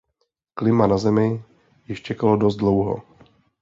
Klima na Zemi již čekalo dost dlouho.